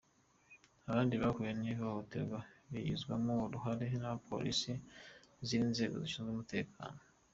Abandi bahuye n’ihohoterwa bigizwemo uruhare n’abapolisi n’izindi nzego zishinzwe umutekano.